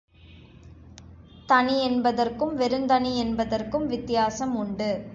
தனி என்பதற்கும், வெறுந் தனி என்பதற்கும் வித்தியாசம் உண்டு.